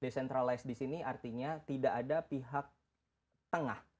decentralized di sini artinya tidak ada pihak tengah